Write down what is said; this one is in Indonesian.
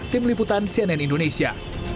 tim liputan cnn indonesia